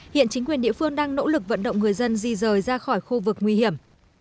hiện chính quyền địa phương đang nỗ lực vận động người dân di rời ra khỏi khu vực nguy hiểm